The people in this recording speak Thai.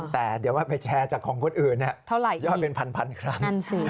แต่เดี๋ยวว่าไปแชร์จากของคนอื่นยอดเป็นพันครั้ง